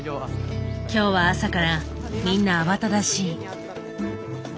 今日は朝からみんな慌ただしい。